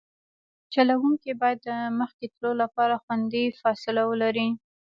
چلوونکی باید د مخکې تلو لپاره خوندي فاصله ولري